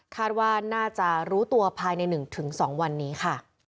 คาดว่าน่าจะรู้ตัวภายใน๑๒วันนี้ค่ะ